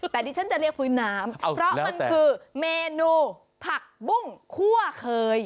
แต่ดิฉันจะเรียกพื้นน้ำเพราะมันคือเมนูผักบุ้งคั่วเคย